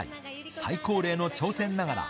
最高齢の挑戦ながら。